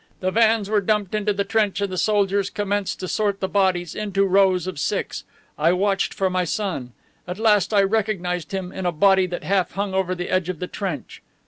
The vans were dumped into the trench and the soldiers commenced to sort the bodies into rows of six. I watched for my son. At last I recognized him in a body that half hung over the edge of the trench.